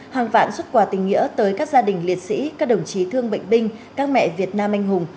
hàng vạn xuất quà tình nghĩa tới các gia đình liệt sĩ các đồng chí thương bệnh binh các mẹ việt nam anh hùng